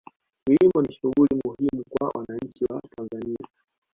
kilimo ni shughuli muhimu kwa wananchi wa tanzania